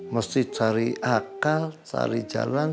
mesti cari akal cari jalan